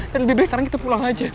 dan lebih baik sekarang kita pulang aja